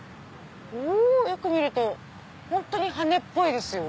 よく見ると本当に羽根っぽいですよ。